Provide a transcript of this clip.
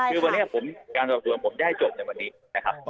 คือวันนี้การต่อตัวผมได้ให้จบจากวันนี้นะครับ